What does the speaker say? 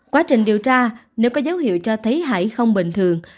quá trình điều tra nếu có dấu hiệu cho thấy hải không bình thường